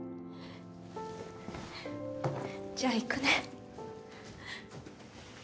じゃあ行くね。